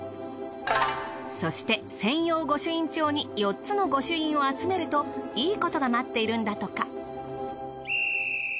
そして専用御朱印帳に４つの御朱印を集めるといいことが待っているんだとか。